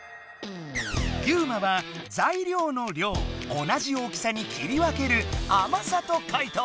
ユウマは「材料の量」「同じ大きさに切り分ける」「甘さ」とかい答。